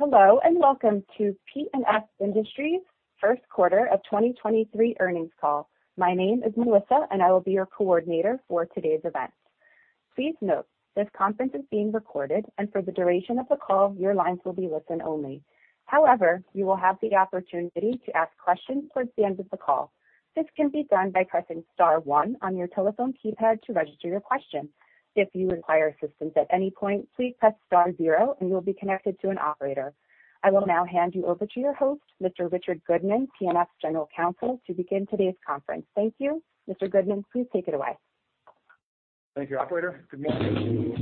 Hello, welcome to P&F Industries first quarter of 2023 earnings call. My name is Melissa, and I will be your coordinator for today's event. Please note, this conference is being recorded and for the duration of the call, your lines will be listen only. However, you will have the opportunity to ask questions towards the end of the call. This can be done by pressing star one on your telephone keypad to register your question. If you require assistance at any point, please press star zero and you will be connected to an operator. I will now hand you over to your host, Mr. Richard Goodman, P&F General Counsel, to begin today's conference. Thank you. Mr. Goodman, please take it away. Thank you, operator. Good morning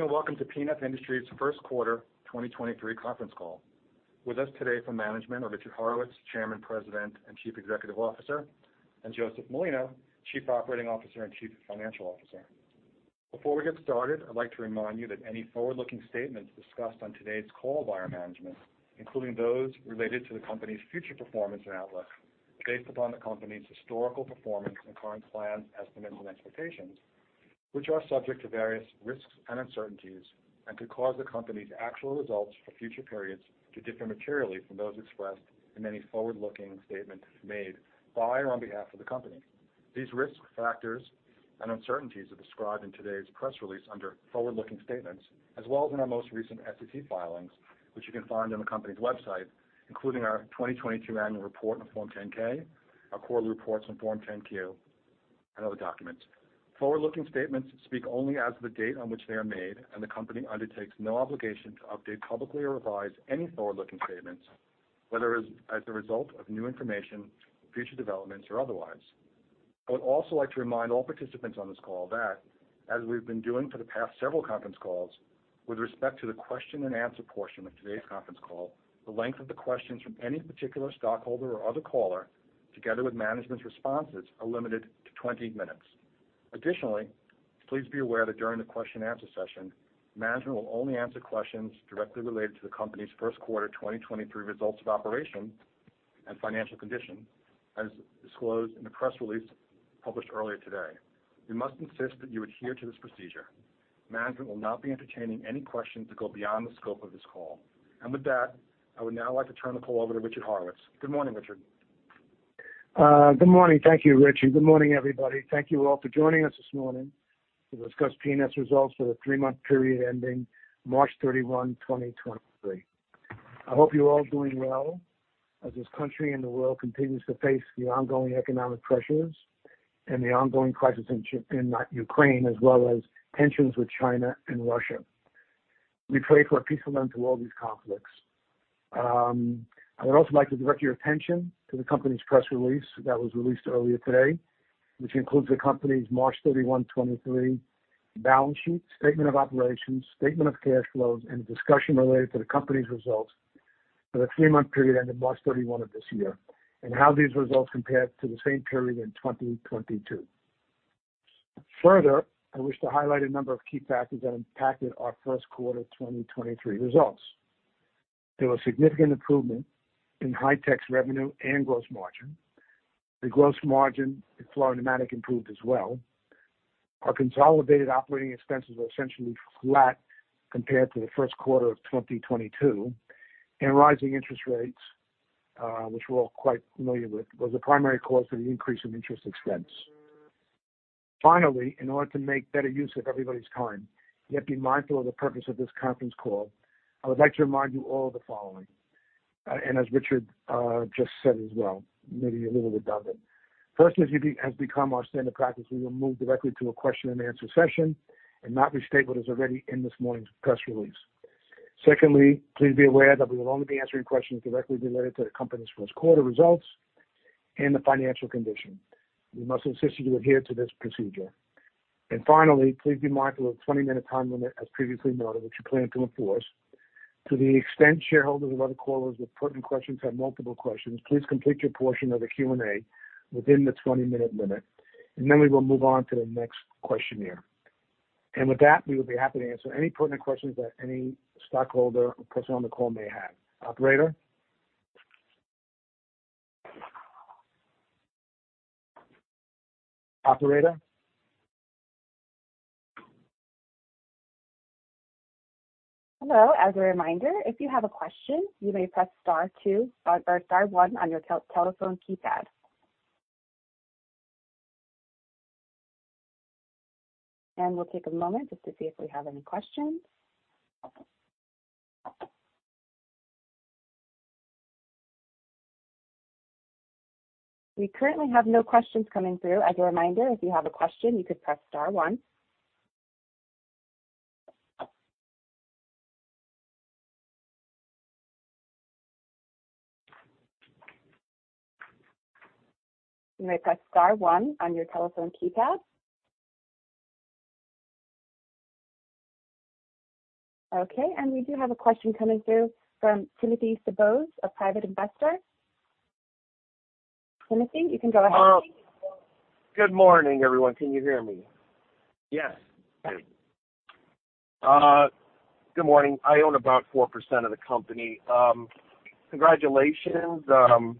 and welcome to P&F Industries first quarter 2023 conference call. With us today from management are Richard Horowitz, Chairman, President, and Chief Executive Officer, and Joseph Molino, Chief Operating Officer and Chief Financial Officer. Before we get started, I'd like to remind you that any Forward-Looking Statements discussed on today's call by our management, including those related to the company's future performance and outlook, based upon the company's historical performance and current plan estimates and expectations, which are subject to various risks and uncertainties and could cause the company's actual results for future periods to differ materially from those expressed in any Forward-Looking Statement made by or on behalf of the company. These risks, factors, and uncertainties are described in today's press release under Forward-Looking Statements as well as in our most recent SEC filings, which you can find on the company's website, including our 2022 annual report on Form 10-K, our quarterly reports on Form 10-Q, and other documents. Forward-looking statements speak only as of the date on which they are made, and the company undertakes no obligation to update publicly or revise any forward-looking statements, whether as a result of new information, future developments or otherwise. I would also like to remind all participants on this call that as we've been doing for the past several conference calls, with respect to the question and answer portion of today's conference call, the length of the questions from any particular stockholder or other caller, together with management's responses, are limited to 20 minutes. Additionally, please be aware that during the question and answer session, management will only answer questions directly related to the company's first quarter 2023 results of operation and financial condition, as disclosed in the press release published earlier today. We must insist that you adhere to this procedure. Management will not be entertaining any questions that go beyond the scope of this call. With that, I would now like to turn the call over to Richard Horowitz. Good morning, Richard. Good morning. Thank you, Richie. Good morning, everybody. Thank you all for joining us this morning to discuss P&F results for the three-month period ending March 31, 2023. I hope you're all doing well as this country and the world continues to face the ongoing economic pressures and the ongoing crisis in Ukraine, as well as tensions with China and Russia. We pray for a peaceful end to all these conflicts. I would also like to direct your attention to the company's press release that was released earlier today, which includes the company's March 31, 2023 balance sheet, statement of operations, statement of cash flows, and a discussion related to the company's results for the three-month period ending March 31 of this year, and how these results compare to the same period in 2022. Further, I wish to highlight a number of key factors that impacted our first quarter 2023 results. There was significant improvement in Hy-Tech's revenue and gross margin. The gross margin in Florida Pneumatic improved as well. Our consolidated operating expenses were essentially flat compared to the first quarter of 2022. Rising interest rates, which we're all quite familiar with, was the primary cause of the increase in interest expense. Finally, in order to make better use of everybody's time, yet be mindful of the purpose of this conference call, I would like to remind you all of the following, and as Richard just said as well, maybe a little redundant. First, as has become our standard practice, we will move directly to a question and answer session and not restate what is already in this morning's press release. Secondly, please be aware that we will only be answering questions directly related to the company's first quarter results and the financial condition. We must insist you adhere to this procedure. Finally, please be mindful of the 20-minute time limit, as previously noted, which we plan to enforce. To the extent shareholders and other callers with pertinent questions have multiple questions, please complete your portion of the Q&A within the 20-minute limit, and then we will move on to the next questioneer. With that, we will be happy to answer any pertinent questions that any stockholder or person on the call may have. Operator? Operator? Hello. As a reminder, if you have a question, you may press star two, or star one on your telephone keypad. We'll take a moment just to see if we have any questions. We currently have no questions coming through. As a reminder, if you have a question, you could press star one. You may press star one on your telephone keypad. We do have a question coming through from Timothy Stabosz, a private investor. Timothy, you can go ahead. Good morning, everyone. Can you hear me? Yes. Great. good morning. I own about 4% of the company. congratulations, It's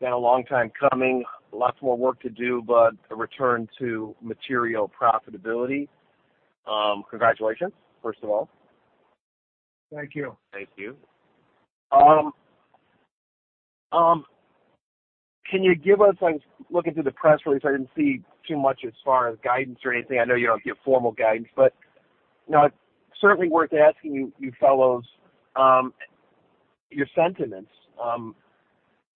been a long time coming. Lots more work to do, but a return to material profitability. congratulations, first of all. Thank you. Thank you. Can you give us, I was looking through the press release. I didn't see too much as far as guidance or anything. I know you don't give formal guidance, but, you know, it's certainly worth asking you fellows, your sentiments.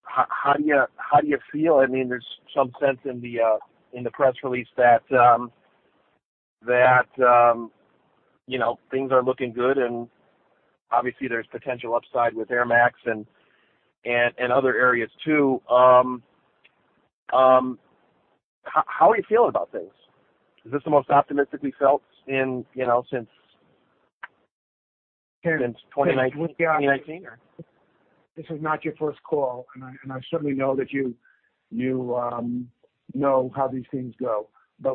How do you feel? I mean, there's some sense in the press release that, you know, things are looking good, and obviously there's potential upside with Air Max and other areas too. How are you feeling about things? Is this the most optimistic we felt in, you know, since 2019? This is not your first call, and I certainly know that you know how these things go.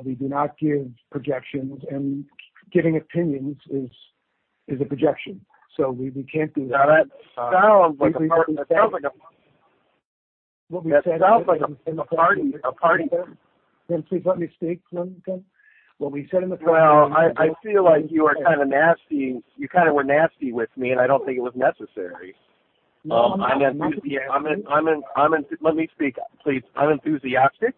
We do not give projections, and giving opinions is a projection. We can't do that. Now that sounds like a party. That sounds like a. What we said- That sounds like a party, a party. Tim, please let me speak for a minute, Tim. What we said in the press release- Well, I feel like you are kinda nasty. You kinda were nasty with me, and I don't think it was necessary. No, I'm not. Let me speak, please. I'm enthusiastic.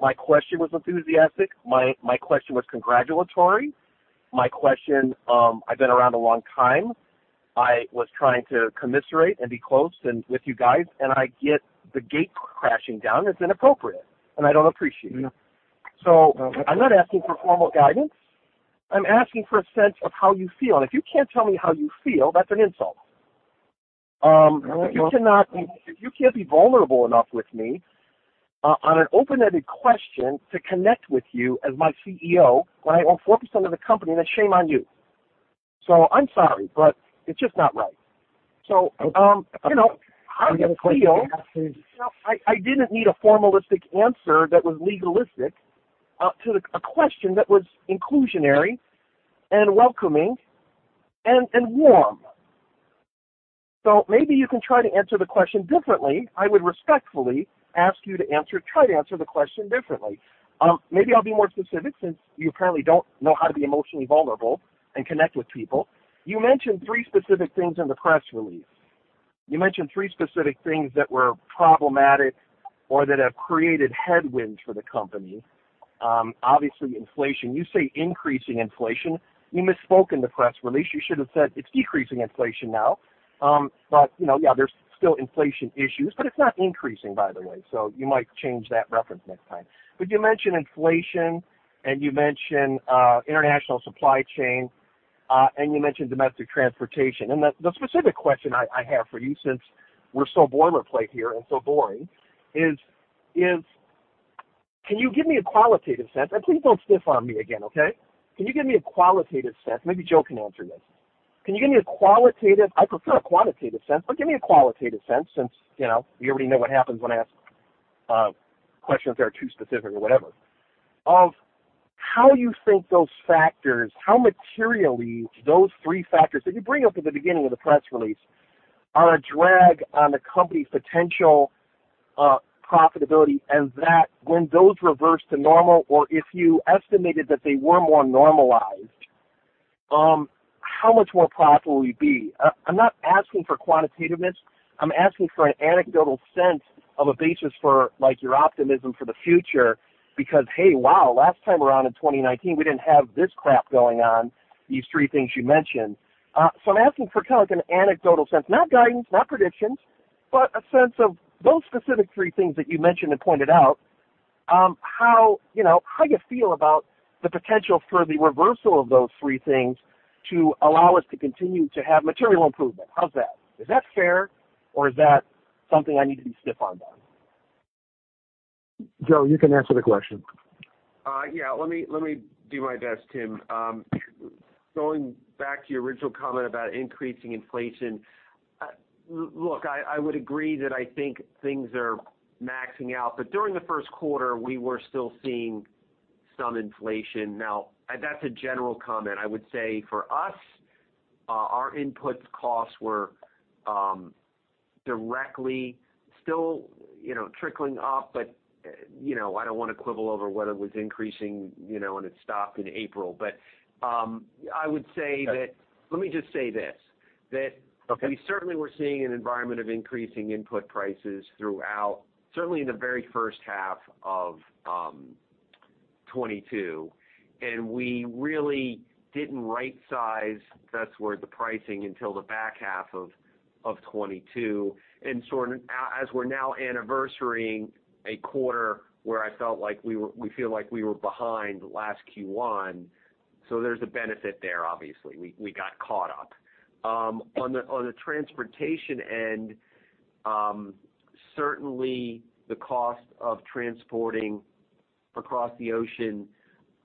My question was enthusiastic. My question was congratulatory. My question. I've been around a long time. I was trying to commiserate and be close and with you guys, and I get the gate crashing down. It's inappropriate, and I don't appreciate it. No. I'm not asking for formal guidance. I'm asking for a sense of how you feel. If you can't tell me how you feel, that's an insult. No, it's not. If you can't be vulnerable enough with me on an open-ended question to connect with you as my CEO when I own 4% of the company, then shame on you. I'm sorry, but it's just not right. you know, how you feel. I didn't quite hear you. No. I didn't need a formalistic answer that was legalistic, to a question that was inclusionary and welcoming and warm. Maybe you can try to answer the question differently. I would respectfully ask you to try to answer the question differently. Maybe I'll be more specific since you apparently don't know how to be emotionally vulnerable and connect with people. You mentioned three specific things in the press release. You mentioned three specific things that were problematic or that have created headwinds for the company. Obviously inflation. You say increasing inflation. You misspoke in the press release. You should have said it's decreasing inflation now. You know, yeah, there's still inflation issues. It's not increasing, by the way, so you might change that reference next time. You mentioned inflation, and you mentioned international supply chain, and you mentioned domestic transportation. The specific question I have for you, since we're so boilerplate here and so boring, can you give me a qualitative sense? Please don't stiff on me again, okay? Can you give me a qualitative sense? Maybe Joe can answer this. I prefer a quantitative sense, but give me a qualitative sense since, you know, we already know what happens when I ask questions that are too specific or whatever, of how you think those factors, how materially those three factors that you bring up at the beginning of the press release are a drag on the company's potential profitability. That when those reverse to normal, or if you estimated that they were more normalized, how much more profit will we be? I'm not asking for quantitativeness. I'm asking for an anecdotal sense of a basis for, like, your optimism for the future because, hey, wow, last time around in 2019, we didn't have this crap going on, these three things you mentioned. I'm asking for kind of like an anecdotal sense, not guidance, not predictions, but a sense of those specific three things that you mentioned and pointed out, how, you know, how you feel about the potential for the reversal of those three things to allow us to continue to have material improvement. How's that? Is that fair, or is that something I need to be stiff on then? Joe, you can answer the question. Yeah, let me do my best, Tim. Going back to your original comment about increasing inflation, look, I would agree that I think things are maxing out. During the first quarter, we were still seeing some inflation. That's a general comment. I would say for us, our input costs were directly still, you know, trickling up. I don't want to quibble over whether it was increasing, you know, and it stopped in April. Let me just say this. Okay. We certainly were seeing an environment of increasing input prices throughout, certainly in the very first half of, 2022. We really didn't right size, if that's the word, the pricing until the back half of 2022. As we're now anniversarying a quarter where I felt like we feel like we were behind last Q1, so there's a benefit there, obviously. We got caught up. On the transportation end, certainly the cost of transporting across the ocean,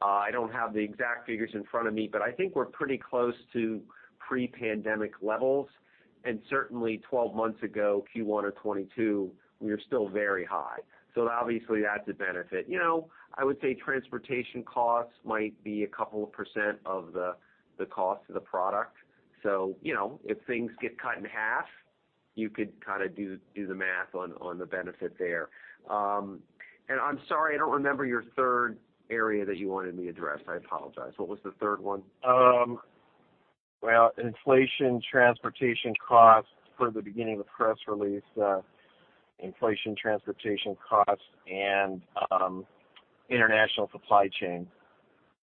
I don't have the exact figures in front of me, but I think we're pretty close to pre-pandemic levels. Certainly 12 months ago, Q1 of 2022, we were still very high. So obviously that's a benefit. You know, I would say transportation costs might be a couple of % of the cost of the product. You know, if things get cut in half, you could kind of do the math on the benefit there. I'm sorry, I don't remember your third area that you wanted me to address. I apologize. What was the third one? Well, inflation, transportation costs toward the beginning of the press release, inflation, transportation costs and international supply chain.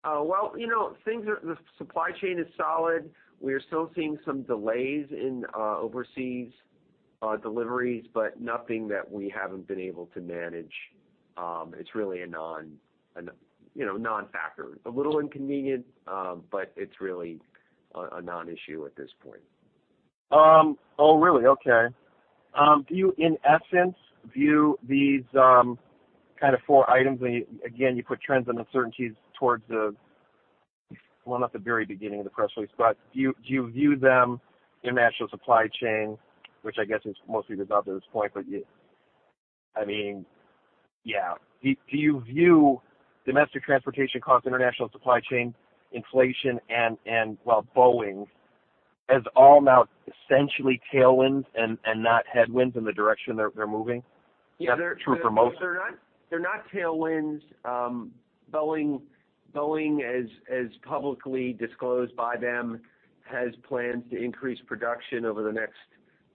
Well, you know, the supply chain is solid. We are still seeing some delays in overseas deliveries. Nothing that we haven't been able to manage. It's really a non, you know, non-factor. A little inconvenient. It's really a non-issue at this point. Oh, really? Okay. Do you, in essence, view these, kind of four items, again, you put trends and uncertainties towards the, Well, not the very beginning of the press release, but do you view them international supply chain, which I guess is mostly resolved at this point, but I mean? Yeah. Do you view domestic transportation costs, international supply chain inflation and, well, Boeing as all now essentially tailwinds and not headwinds in the direction they're moving? Yeah. True for most. They're not tailwinds. Boeing as publicly disclosed by them, has plans to increase production over the next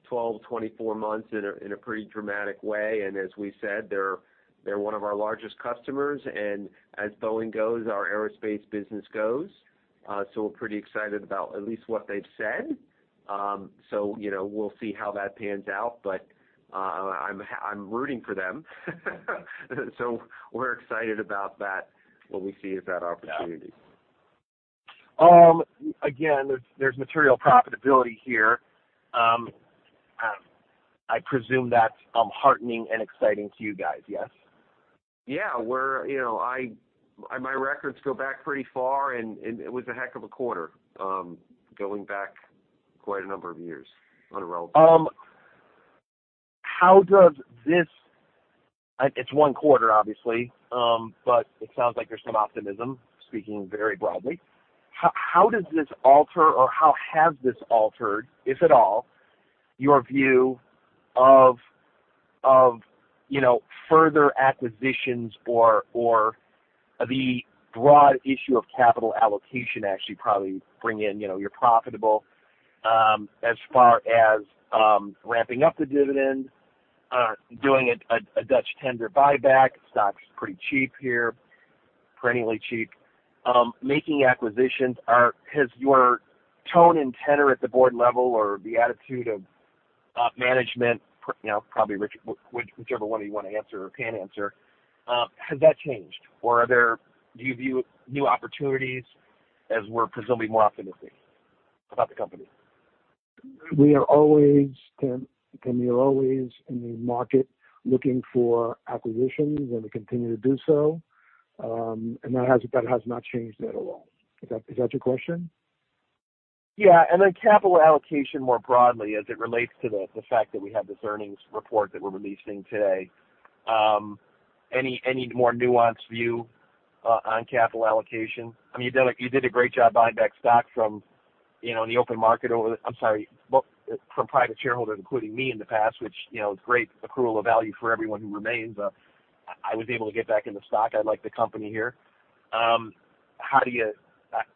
12-24 months in a pretty dramatic way. As we said, they're one of our largest customers. As Boeing goes, our aerospace business goes. We're pretty excited about at least what they've said. You know, we'll see how that pans out, but I'm rooting for them. We're excited about that. What we see is that opportunity. Yeah. again, there's material profitability here. I presume that's heartening and exciting to you guys, yes? Yeah. We're, you know, my records go back pretty far and it was a heck of a quarter, going back quite a number of years on a relative. How does this... It's one quarter obviously, but it sounds like there's some optimism, speaking very broadly. How does this alter or how has this altered, if at all, your view of, you know, further acquisitions or the broad issue of capital allocation, actually probably bring in, you know, you're profitable, as far as ramping up the dividend, doing a Dutch tender buyback. Stock's pretty cheap here, perennially cheap. Making acquisitions. Has your tone and tenor at the board level or the attitude of management, you know, probably Richard, whichever one you want to answer or can answer, has that changed or do you view new opportunities as we're presumably more optimistic about the company? We are always, Tim, we are always in the market looking for acquisitions, and we continue to do so. That has not changed at all. Is that your question? Capital allocation more broadly as it relates to the fact that we have this earnings report that we're releasing today. Any more nuanced view on capital allocation? I mean, you did a great job buying back stock from, you know, in the open market over the... I'm sorry, well, from private shareholders, including me in the past, which, you know, is great accrual of value for everyone who remains. I was able to get back in the stock. I like the company here. How do you...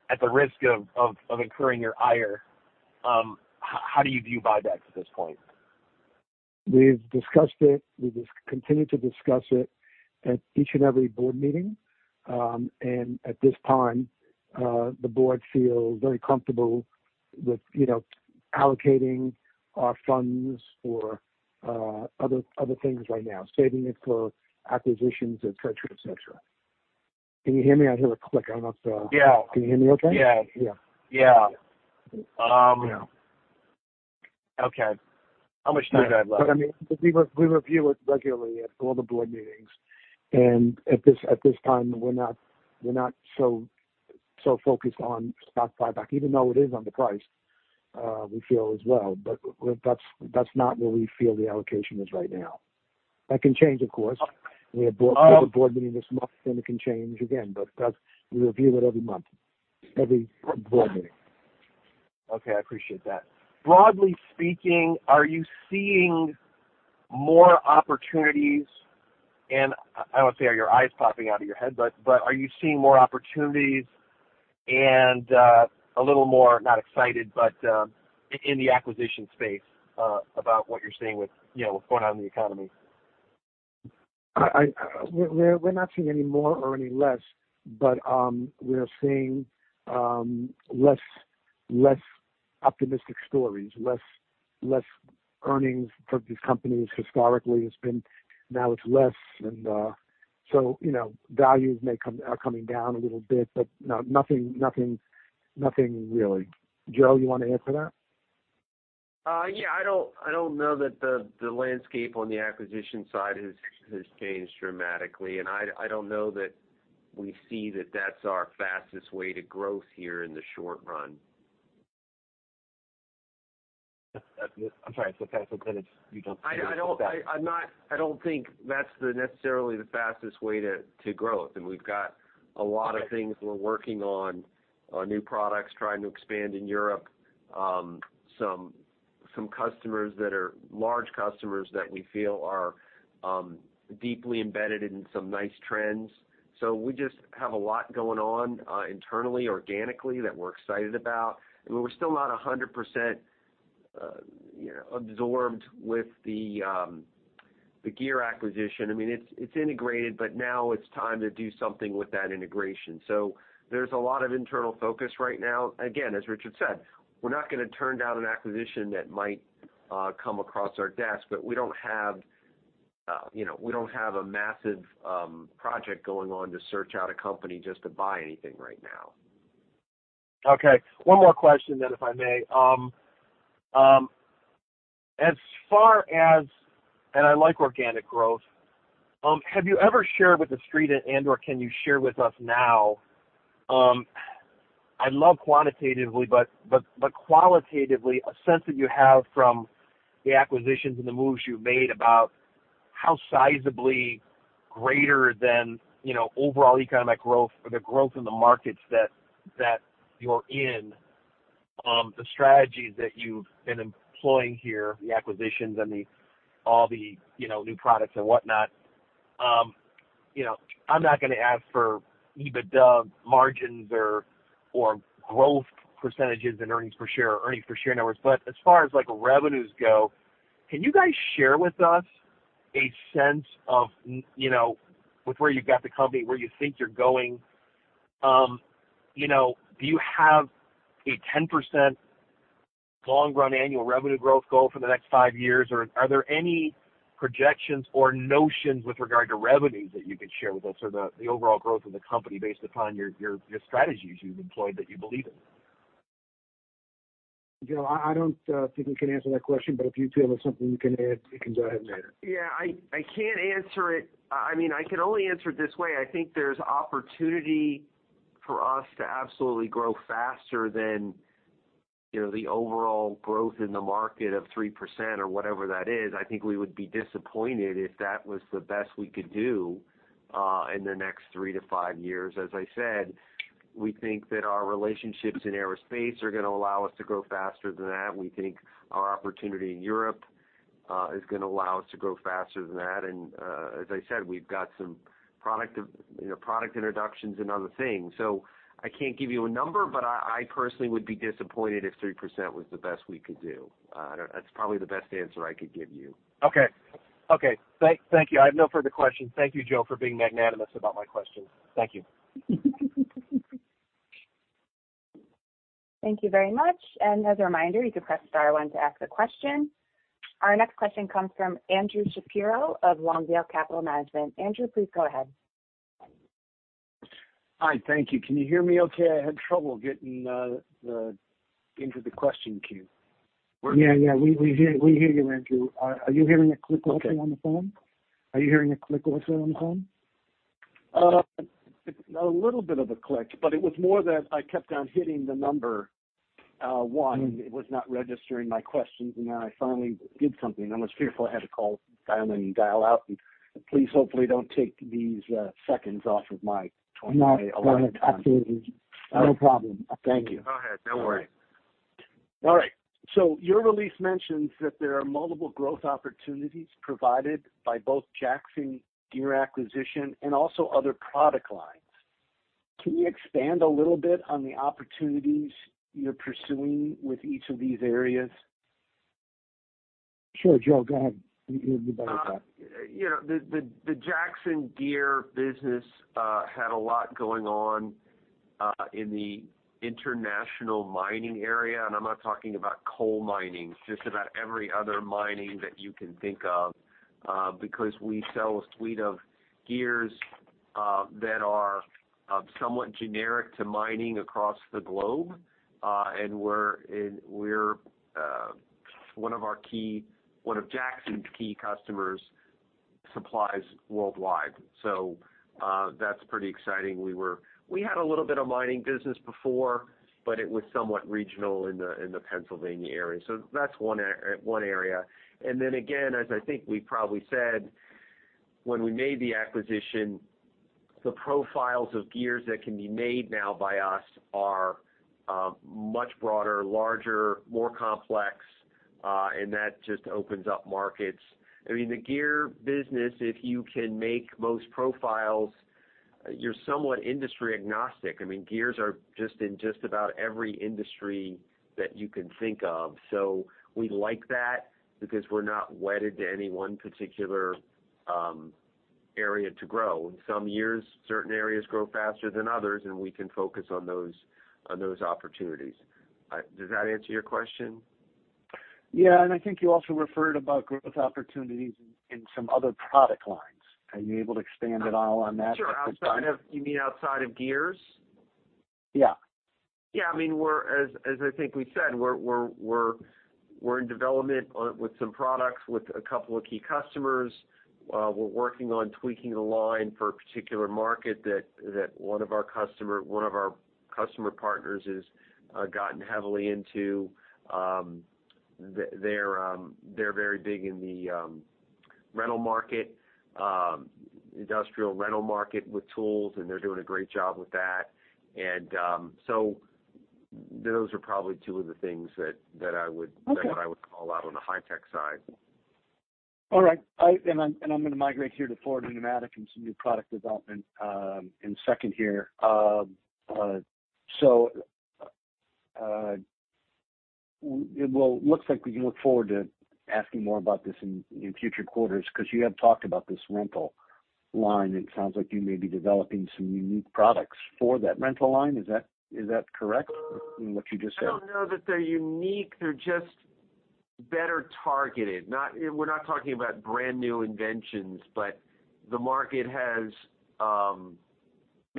At the risk of incurring your ire, how do you view buybacks at this point? We've discussed it. We just continue to discuss it at each and every board meeting. At this time, the board feels very comfortable with, you know, allocating our funds for other things right now, saving it for acquisitions, et cetera, et cetera. Can you hear me? I hear a click. I'm not so. Yeah. Can you hear me okay? Yeah. Yeah. Yeah. Yeah. Okay. How much time do I have left? I mean, we review it regularly at all the board meetings. At this time, we're not so focused on stock buyback even though it is underpriced, we feel as well. That's not where we feel the allocation is right now. That can change, of course. Um- We have a board meeting this month, and it can change again, but we review it every month, every board meeting. Okay, I appreciate that. Broadly speaking, are you seeing more opportunities? I won't say, are your eyes popping out of your head, but are you seeing more opportunities and a little more, not excited, but in the acquisition space, about what you're seeing with, you know, what's going on in the economy? We're not seeing any more or any less, but we are seeing less optimistic stories, less earnings for these companies. Historically, it's been, now it's less. So, you know, values are coming down a little bit, but nothing really. Joe, you wanna answer that? Yeah, I don't know that the landscape on the acquisition side has changed dramatically. I don't know that we see that that's our fastest way to growth here in the short run. I'm sorry. Sometimes I'm kind of. You don't I don't think that's necessarily the fastest way to growth. We've got a lot of things we're working on, new products, trying to expand in Europe, some customers that are large customers that we feel are deeply embedded in some nice trends. We just have a lot going on, internally, organically that we're excited about. I mean, we're still not 100%, you know, absorbed with the Gear acquisition. I mean, it's integrated, but now it's time to do something with that integration. There's a lot of internal focus right now. As Richard said, we're not gonna turn down an acquisition that might come across our desk. We don't have, you know, we don't have a massive project going on to search out a company just to buy anything right now. Okay, one more question then, if I may. As far as, and I like organic growth, have you ever shared with The Street and/or can you share with us now, I love quantitatively, but qualitatively, a sense that you have from the acquisitions and the moves you've made about how sizably greater than, you know, overall economic growth or the growth in the markets that you're in, the strategies that you've been employing here, the acquisitions and all the, you know, new products and whatnot? You know, I'm not gonna ask for EBITDA margins or growth percentages and earnings per share numbers. As far as like revenues go, can you guys share with us a sense of, you know, with where you've got the company, where you think you're going? You know, do you have a 10% long run annual revenue growth goal for the next five years? Are there any projections or notions with regard to revenues that you could share with us or the overall growth of the company based upon your strategies you've employed that you believe in? Joe, I don't think we can answer that question, but if you feel there's something you can add, you can go ahead and add it. Yeah, I can't answer it. I can only answer it this way. I think there's opportunity for us to absolutely grow faster than, you know, the overall growth in the market of 3% or whatever that is. I think we would be disappointed if that was the best we could do in the next 3-5 years. As I said, we think that our relationships in aerospace are gonna allow us to grow faster than that. We think our opportunity in Europe is gonna allow us to grow faster than that. As I said, we've got some product of, you know, product introductions and other things. I can't give you a number, but I personally would be disappointed if 3% was the best we could do. That's probably the best answer I could give you. Okay. Okay. Thank you. I have no further questions. Thank you, Joe, for being magnanimous about my questions. Thank you. Thank you very much. As a reminder, you can press star one to ask a question. Our next question comes from Andrew Shapiro of Lawndale Capital Management. Andrew, please go ahead. Hi. Thank you. Can you hear me okay? I had trouble getting into the question queue. Yeah, we hear you, Andrew. Are you hearing a click also on the phone? Okay. Are you hearing a click also on the phone? a little bit of a click, but it was more that I kept on hitting the number, 1. Mm-hmm. It was not registering my questions, and then I finally did something. I was fearful I had to call, dial and dial out, and please hopefully don't take these seconds off of my 28 allotted time. I'm not. No, absolutely. No problem. Thank you. Go ahead. Don't worry. All right. Your release mentions that there are multiple growth opportunities provided by both Jackson Gear acquisition and also other product lines. Can you expand a little bit on the opportunities you're pursuing with each of these areas? Sure. Joe, go ahead. You're the better guy. You know, the Jackson Gear business had a lot going on in the international mining area, and I'm not talking about coal mining, just about every other mining that you can think of, because we sell a suite of gears that are somewhat generic to mining across the globe. One of Jackson's key customers supplies worldwide. That's pretty exciting. We had a little bit of mining business before, but it was somewhat regional in the Pennsylvania area. That's one area. Then again, as I think we probably said when we made the acquisition, the profiles of gears that can be made now by us are much broader, larger, more complex, and that just opens up markets. I mean, the gear business, if you can make most profiles, you're somewhat industry agnostic. I mean, gears are just in just about every industry that you can think of. We like that because we're not wedded to any one particular area to grow. In some years, certain areas grow faster than others, and we can focus on those opportunities. Does that answer your question? Yeah. I think you also referred about growth opportunities in some other product lines. Are you able to expand at all on that at this time? Sure. You mean outside of gears? Yeah. Yeah. I mean, we're as I think we said, we're in development with some products with a couple of key customers. We're working on tweaking a line for a particular market that one of our customer partners is gotten heavily into. They're very big in the Rental market, industrial rental market with tools, and they're doing a great job with that. Those are probably two of the things that I would. Okay. that I would call out on the Hy-Tech side. All right. I'm gonna migrate here to Florida Pneumatic and some new product development, in second here. well, it looks like we can look forward to asking more about this in future quarters 'cause you have talked about this rental line. It sounds like you may be developing some unique products for that rental line. Is that correct in what you just said? I don't know that they're unique. They're just better targeted. We're not talking about brand-new inventions, the market has maybe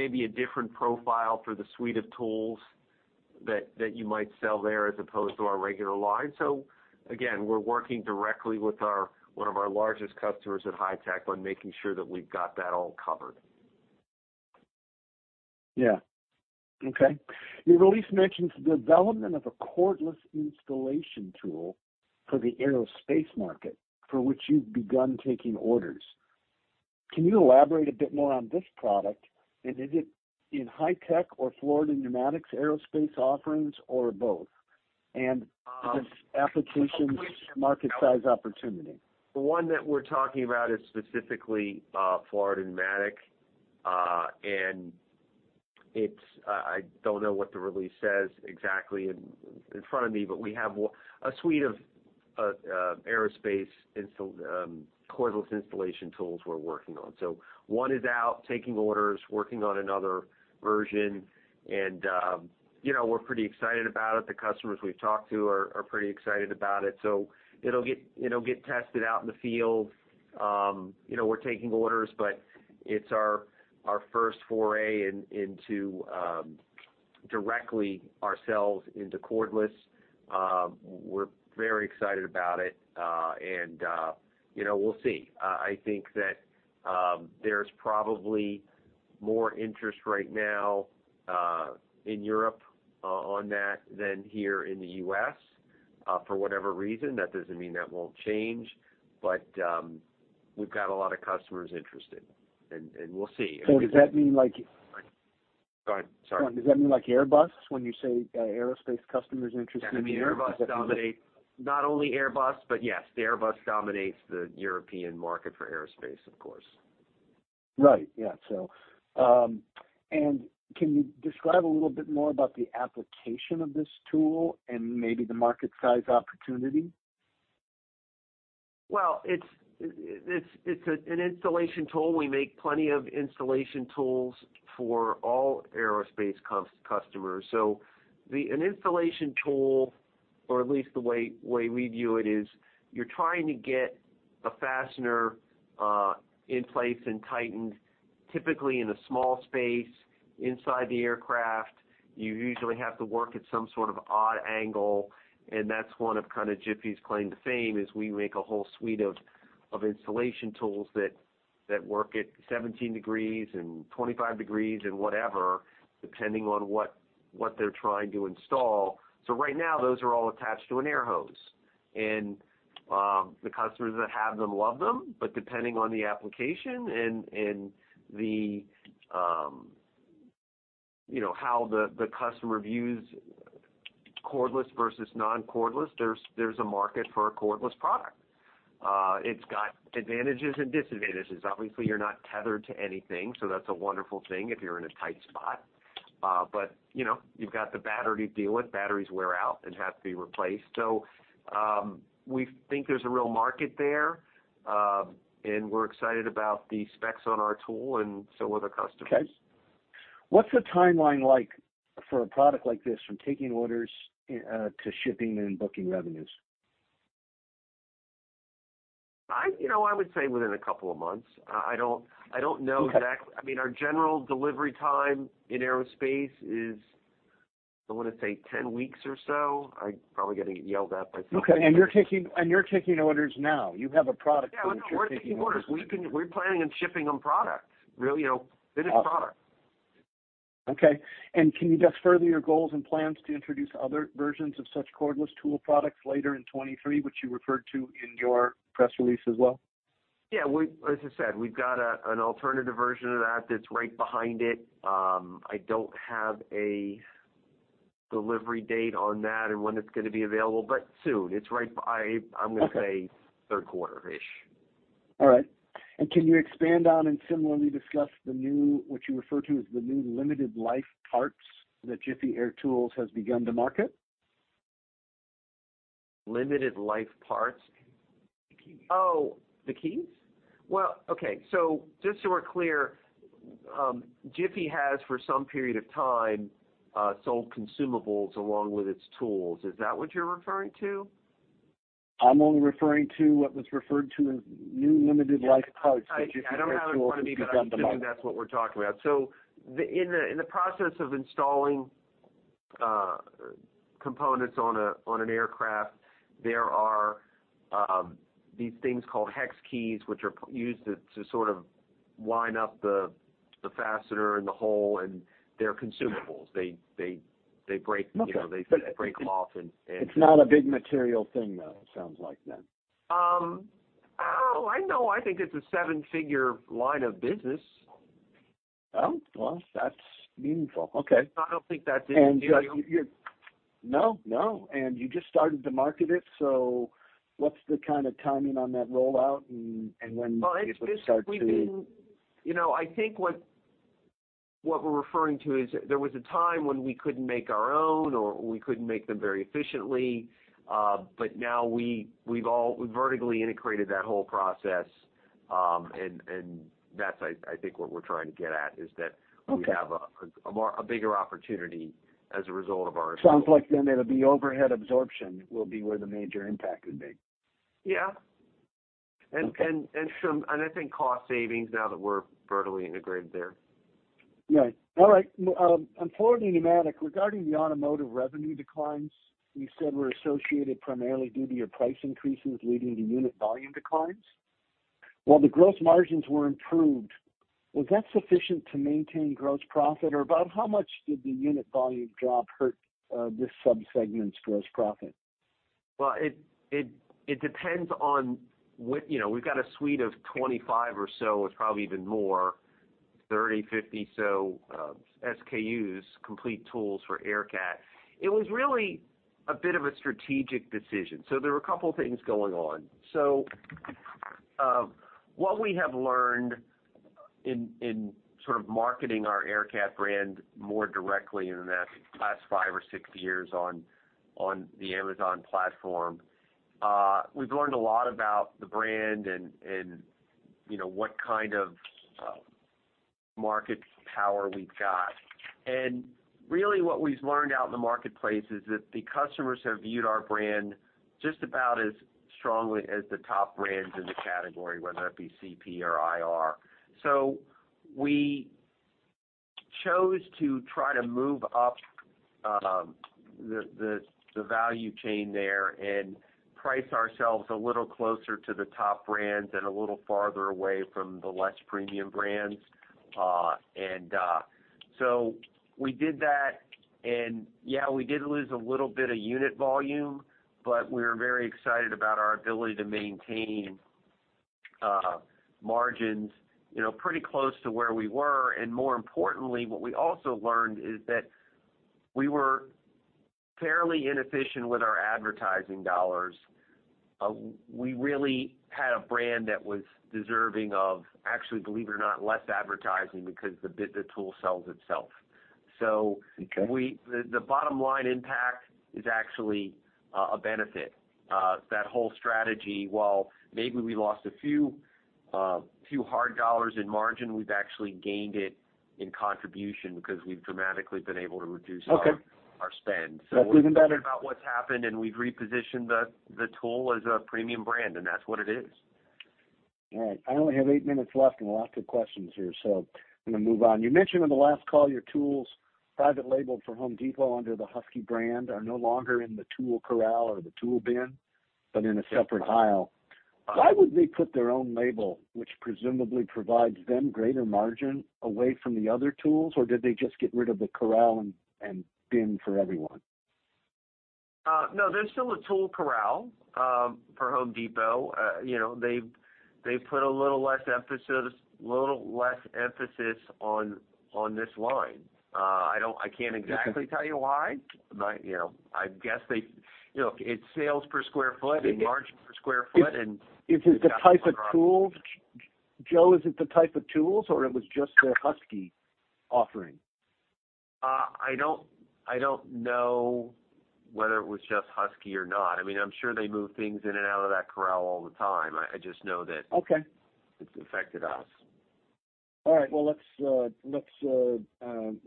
a different profile for the suite of tools that you might sell there as opposed to our regular line. Again, we're working directly with one of our largest customers at Hy-Tech on making sure that we've got that all covered. Yeah. Okay. Your release mentions development of a cordless installation tool for the aerospace market for which you've begun taking orders. Can you elaborate a bit more on this product? Is it in Hy-Tech or Florida Pneumatic aerospace offerings or both? This application's market size opportunity? The one that we're talking about is specifically, Florida Pneumatic. I don't know what the release says exactly in front of me, but we have a suite of aerospace cordless installation tools we're working on. One is out, taking orders, working on another version, and, you know, we're pretty excited about it. The customers we've talked to are pretty excited about it, so it'll get tested out in the field. You know, we're taking orders, but it's our first foray into, directly ourselves into cordless. We're very excited about it, and, you know, we'll see. I think that there's probably more interest right now in Europe on that than here in the US, for whatever reason. That doesn't mean that won't change, but, we've got a lot of customers interested, and we'll see. Does that mean? Go ahead. Sorry. Does that mean like Airbus when you say, aerospace customers interested in the? Yeah, I mean, not only Airbus, but yes, the Airbus dominates the European market for aerospace, of course. Right. Yeah. Can you describe a little bit more about the application of this tool and maybe the market size opportunity? Well, it's an installation tool. We make plenty of installation tools for all aerospace customers. An installation tool, or at least the way we view it is, you're trying to get a fastener in place and tightened typically in a small space inside the aircraft. You usually have to work at some sort of odd angle, and that's one of kinda Jiffy's claim to fame is we make a whole suite of installation tools that work at 17 degrees and 25 degrees and whatever, depending on what they're trying to install. Right now, those are all attached to an air hose. The customers that have them love them, but depending on the application and the, you know, how the customer views cordless versus non-cordless, there's a market for a cordless product. It's got advantages and disadvantages. Obviously, you're not tethered to anything, so that's a wonderful thing if you're in a tight spot. You know, you've got the battery to deal with. Batteries wear out and have to be replaced. We think there's a real market there, and we're excited about the specs on our tool and so are the customers. Okay. What's the timeline like for a product like this from taking orders, to shipping and booking revenues? I, you know, I would say within a couple of months. I don't know. Okay. I mean, our general delivery time in aerospace is, I wanna say 10 weeks or so. I'm probably gonna get yelled at. Okay. You're taking orders now. You have a product and you're taking orders. Yeah. We're taking orders. We're planning on shipping them product. Real, you know, finished product. Okay. Can you discuss further your goals and plans to introduce other versions of such cordless tool products later in 2023, which you referred to in your press release as well? Yeah. As I said, we've got a, an alternative version of that that's right behind it. I don't have a delivery date on that and when it's gonna be available, but soon. Okay. I'm gonna say third quarter-ish. All right. Can you expand on and similarly discuss the new, what you refer to as the new limited life parts that Jiffy Air Tool has begun to market? Limited life parts? The keys. The keys? Well, okay. Just so we're clear, Jiffy has for some period of time sold consumables along with its tools. Is that what you're referring to? I'm only referring to what was referred to as new limited life parts that Jiffy Air Tools has begun to market. I don't have in front of me, but I'm assuming that's what we're talking about. In the process of installing components on an aircraft, there are these things called hex keys, which are used to sort of line up the fastener and the hole, and they're consumables. They break- Okay. You know, they break them off and. It's not a big material thing, though, it sounds like then. oh, I know, I think it's a seven-figure line of business. Oh, well, that's meaningful. Okay. I don't think that's insignificant. No, no. You just started to market it, so what's the kind of timing on that rollout and when people start to- it's just we've been You know, I think what we're referring to is there was a time when we couldn't make our own or we couldn't make them very efficiently, but now we've all vertically integrated that whole process, and that's I think what we're trying to get at, is that Okay. we have a more, a bigger opportunity as a result of our input. Sounds like then it'll be overhead absorption will be where the major impact would be. Yeah. Okay. I think cost savings now that we're vertically integrated there. Right. All right. on Florida Pneumatic, regarding the automotive revenue declines you said were associated primarily due to your price increases leading to unit volume declines. While the growth margins were improved, was that sufficient to maintain gross profit? About how much did the unit volume drop hurt, this sub-segment's gross profit? It depends on what... You know, we've got a suite of 25 or so, it's probably even more, 30, 50 or so, SKUs, complete tools for AIRCAT. It was really a bit of a strategic decision. There were a couple things going on. What we have learned in sort of marketing our AIRCAT brand more directly in the last five or six years on the Amazon platform, we've learned a lot about the brand and, you know, what kind of market power we've got. Really what we've learned out in the marketplace is that the customers have viewed our brand just about as strongly as the top brands in the category, whether it be CP or IR. We chose to try to move up the value chain there and price ourselves a little closer to the top brands and a little farther away from the less premium brands. We did that, and yeah, we did lose a little bit of unit volume, but we're very excited about our ability to maintain margins, you know, pretty close to where we were. More importantly, what we also learned is that we were fairly inefficient with our advertising dollars. We really had a brand that was deserving of actually, believe it or not, less advertising because the tool sells itself. Okay. The bottom line impact is actually a benefit. That whole strategy, while maybe we lost a few hard dollars in margin, we've actually gained it in contribution because we've dramatically been able to reduce. Okay. our spend. That's even better. -about what's happened, and we've repositioned the tool as a premium brand, and that's what it is. All right. I only have eight minutes left and lots of questions here. I'm gonna move on. You mentioned on the last call your tools private labeled for The Home Depot under the Husky brand are no longer in the tool corral or the tool bin, but in a separate aisle. Why would they put their own label, which presumably provides them greater margin, away from the other tools? Did they just get rid of the corral and bin for everyone? No, there's still a tool corral for Home Depot. You know, they've put a little less emphasis on this line. I can't exactly tell you why, but, you know. You know, it's sales per square foot and margin per square foot, and. Is it the type of tools? Joe, is it the type of tools or it was just their Husky offering? I don't know whether it was just Husky or not. I mean, I'm sure they move things in and out of that corral all the time. I just know that. Okay. it's affected us. All right. Well, let's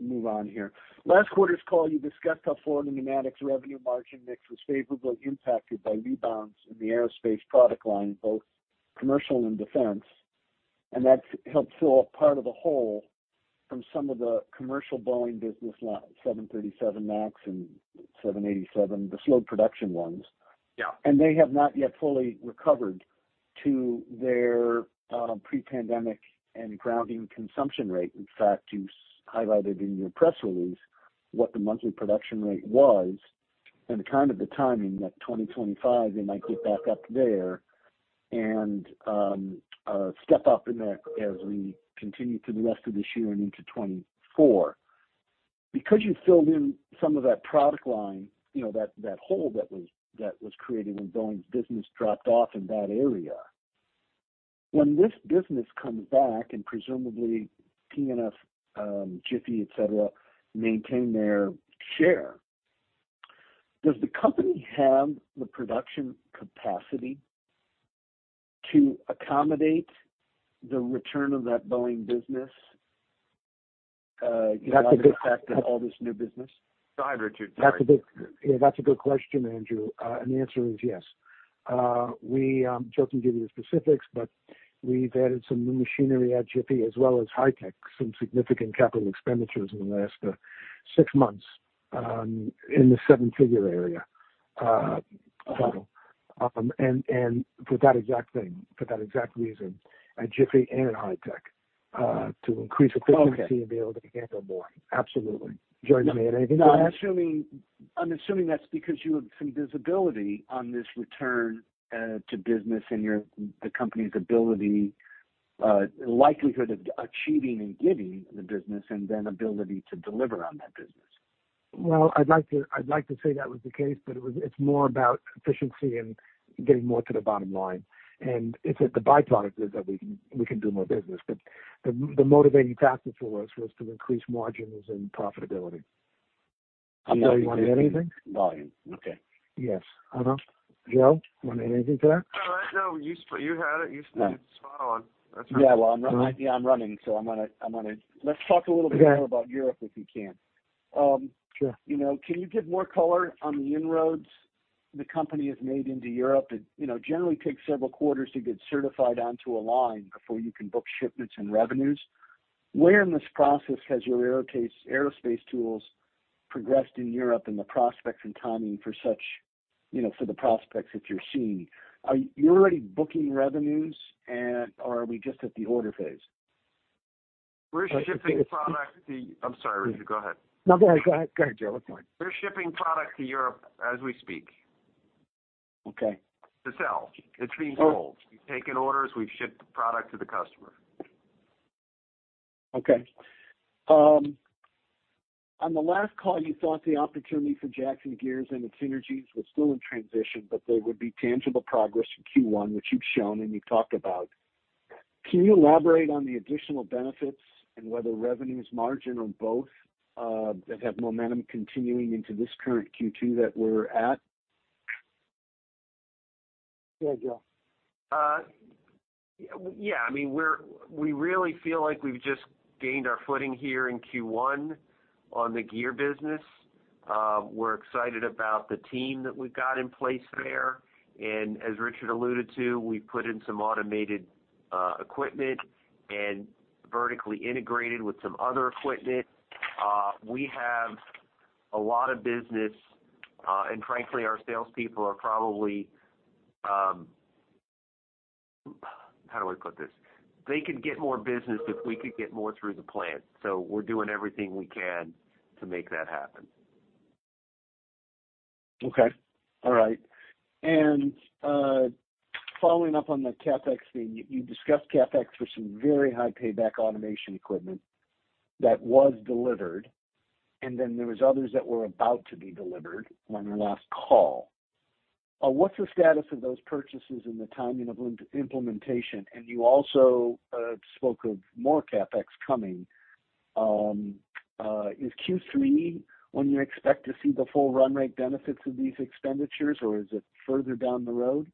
move on here. Last quarter's call, you discussed how Florida Pneumatic's revenue margin mix was favorably impacted by rebounds in the aerospace product line, both commercial and defense. That's helped fill a part of the hole from some of the commercial Boeing business line, 737 MAX and 787, the slowed production ones. Yeah. They have not yet fully recovered to their pre-pandemic and grounding consumption rate. In fact, you highlighted in your press release what the monthly production rate was and kind of the timing that 2025, they might get back up there and step up in that as we continue through the rest of this year and into 2024. Because you filled in some of that product line, you know, that hole that was created when Boeing's business dropped off in that area. When this business comes back and presumably P&F, Jiffy, et cetera, maintain their share, does the company have the production capacity to accommodate the return of that Boeing business, you know, the fact that all this new business? Sorry, Richard. Sorry. Yeah, that's a good question, Andrew. The answer is yes. Joe can give you the specifics, but we've added some new machinery at Jiffy as well as Hy-Tech, some significant capital expenditures in the last 6 months, in the seven-figure area. For that exact thing, for that exact reason at Jiffy and at Hy-Tech, to increase efficiency. Okay. be able to handle more. Absolutely. Joe, you want to add anything to that? No, I'm assuming that's because you have some visibility on this return to business and the company's ability, likelihood of achieving and getting the business and then ability to deliver on that business. Well, I'd like to say that was the case, but it's more about efficiency and getting more to the bottom line. It's that the byproduct is that we can do more business. The motivating factor for us was to increase margins and profitability. Joe, you want to add anything? Volume. Okay. Yes. Joe, you want to add anything to that? No, you had it. You spent it spot on. That's right. Yeah. Well, I'm, yeah, I'm running, so. Let's talk a little bit more about Europe, if you can. Sure. You know, can you give more color on the inroads the company has made into Europe? It, you know, generally takes several quarters to get certified onto a line before you can book shipments and revenues. Where in this process has your aerospace tools progressed in Europe and the prospects and timing for such, you know, for the prospects that you're seeing? You're already booking revenues and or are we just at the order phase? We're shipping product to. I'm sorry, Richard, go ahead. No, go ahead. Go ahead, Joe. That's fine. We're shipping product to Europe as we speak. Okay. To sell. It's being sold. We've taken orders. We've shipped the product to the customer. On the last call, you thought the opportunity for Jackson Gears and its synergies were still in transition, but there would be tangible progress in Q1, which you've shown and you've talked about. Can you elaborate on the additional benefits and whether revenues, margin or both, that have momentum continuing into this current Q2 that we're at? Go ahead, Joe. Yeah, I mean, we really feel like we've just gained our footing here in Q1 on the gear business. We're excited about the team that we've got in place there. As Richard alluded to, we put in some automated equipment and vertically integrated with some other equipment. We have a lot of business, and frankly, our salespeople are probably... How do I put this? They could get more business if we could get more through the plant. We're doing everything we can to make that happen. Okay. All right. Following up on the CapEx thing, you discussed CapEx for some very high payback automation equipment that was delivered, and then there was others that were about to be delivered on our last call. What's the status of those purchases and the timing of implementation? You also spoke of more CapEx coming. Is Q3 when you expect to see the full run rate benefits of these expenditures, or is it further down the road?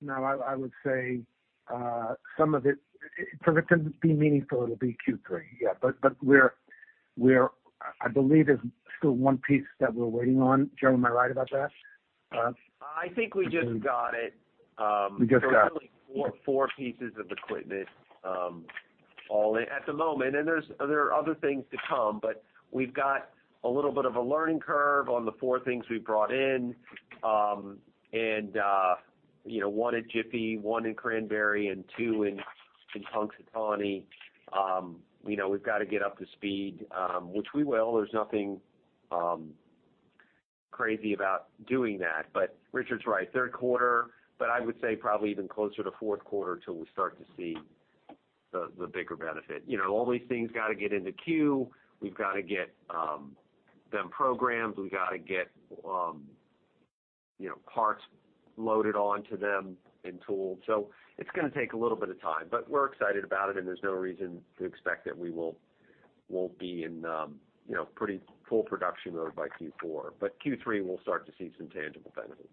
No, I would say, some of it... For it to be meaningful, it'll be Q3. Yeah. I believe there's still one piece that we're waiting on. Joe, am I right about that? I think we just got it. We just got it. There's really four pieces of equipment, all in at the moment. There are other things to come, but we've got a little bit of a learning curve on the four things we've brought in. You know, one at Jiffy, one in Cranberry, and two in Punxsutawney. You know, we've got to get up to speed, which we will. There's nothing crazy about doing that. Richard's right, third quarter, but I would say probably even closer to fourth quarter till we start to see the bigger benefit. You know, all these things got to get into queue. We've got to get them programmed. We've got to get, you know, parts loaded onto them and tooled. It's gonna take a little bit of time, but we're excited about it, and there's no reason to expect that we won't be in, you know, pretty full production mode by Q4. Q3, we'll start to see some tangible benefits.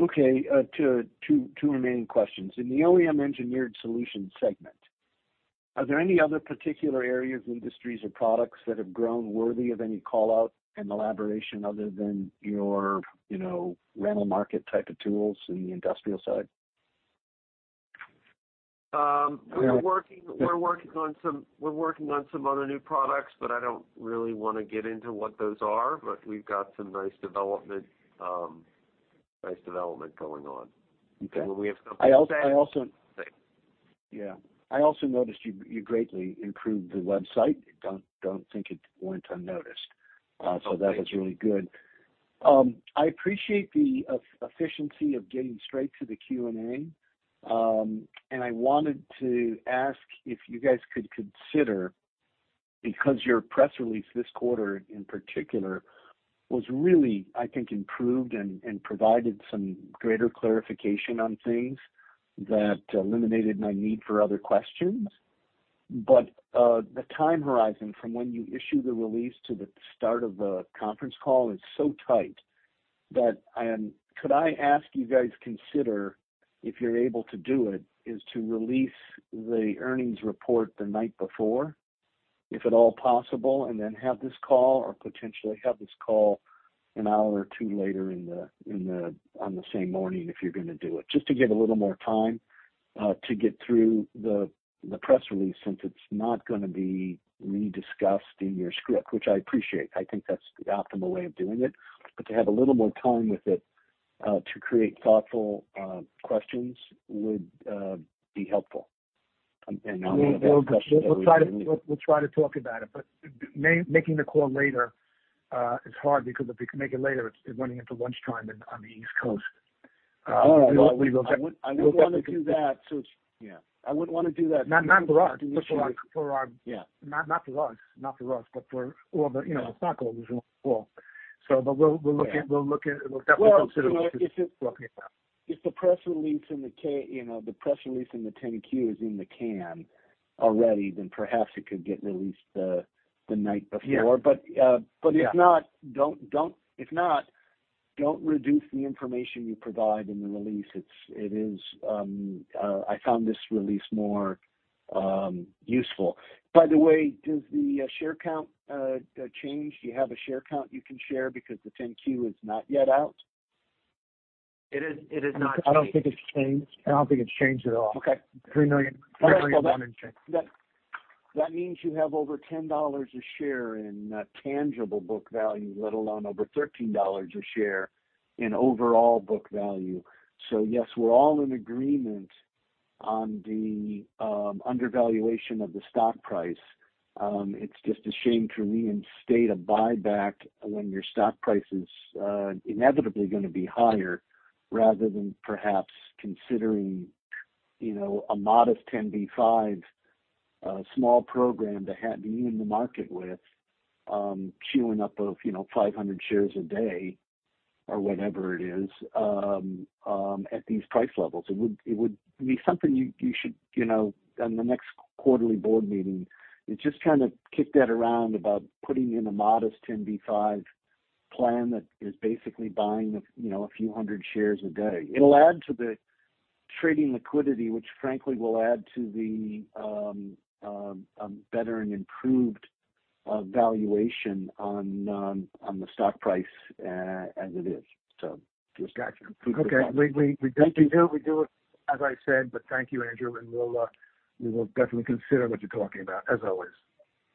Okay. two remaining questions. In the OEM Engineered Solutions segment, are there any other particular areas, industries or products that have grown worthy of any call-out and elaboration other than your, you know, rental market type of tools in the industrial side? We're working on some other new products, but I don't really wanna get into what those are. We've got some nice development going on. Okay. When we have something to say. I also... We'll say. Yeah. I also noticed you greatly improved the website. Don't think it went unnoticed. That was really good. I appreciate the efficiency of getting straight to the Q&A. I wanted to ask if you guys could consider, because your press release this quarter in particular was really, I think, improved and provided some greater clarification on things that eliminated my need for other questions. The time horizon from when you issue the release to the start of the conference call is so tight that, could I ask you guys consider, if you're able to do it, is to release the earnings report the night before, if at all possible, and then have this call or potentially have this call an hour or 2 later on the same morning if you're gonna do it, just to get a little more time to get through the press release, since it's not gonna be rediscussed in your script, which I appreciate. I think that's the optimal way of doing it. To have a little more time with it, to create thoughtful questions would be helpful. I know you have questions. We'll try to talk about it, but making the call later is hard because if we can make it later, it's running into lunchtime on the East Coast. All right. We will I wouldn't wanna do that to... Yeah. I wouldn't wanna do that. Not for us, but for our... Yeah. Not for us. Not for us, but for... Well, you know, the stockholders as well. We'll look at it. We'll definitely consider If the press release in the you know, the press release in the 10-Q is in the can already, then perhaps it could get released the night before. Yeah. If not, don't reduce the information you provide in the release. I found this release more useful. By the way, does the share count change? Do you have a share count you can share because the 10-Q is not yet out? It is, it is not changed. I don't think it's changed. I don't think it's changed at all. Okay. $3 million. $3 million That means you have over $10 a share in tangible book value, let alone over $13 a share in overall book value. Yes, we're all in agreement on the undervaluation of the stock price. It's just a shame to me instead of buyback when your stock price is inevitably gonna be higher, rather than perhaps considering, you know, a modest ten by five, small program to have be in the market with, queuing up of, you know, 500 shares a day or whatever it is, at these price levels. It would be something you should, you know, on the next quarterly board meeting, just kinda kick that around about putting in a modest ten by five plan that is basically buying, you know, a few hundred shares a day. It'll add to the trading liquidity, which frankly will add to the better and improved valuation on the stock price as it is. Gotcha. Okay. We do, as I said, thank you, Andrew, we'll, we will definitely consider what you're talking about as always.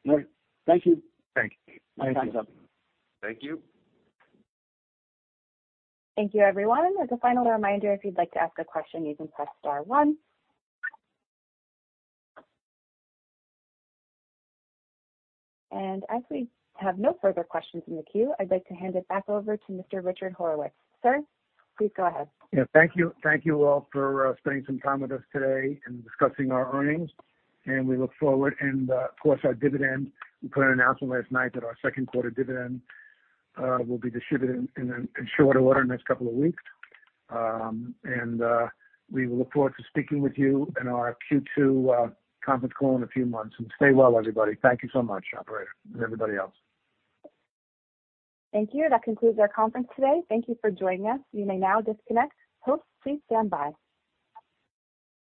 All right. Thank you. Thank you. My time's up. Thank you. Thank you, everyone. As a final reminder, if you'd like to ask a question, you can press star one. As we have no further questions in the queue, I'd like to hand it back over to Mr. Richard Horowitz. Sir, please go ahead. Yeah, thank you. Thank you all for spending some time with us today and discussing our earnings. We look forward, and of course, our dividend. We put an announcement last night that our second quarter dividend will be distributed in short order next couple of weeks. We look forward to speaking with you in our Q2 conference call in a few months. Stay well, everybody. Thank you so much, operator and everybody else. Thank you. That concludes our conference today. Thank you for joining us. You may now disconnect. Host, please stand by.